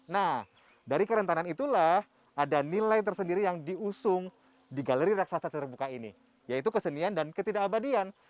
nah dari kerentanan itulah ada nilai tersendiri yang diusung di galeri raksasa terbuka ini yaitu kesenian dan ketidakabadian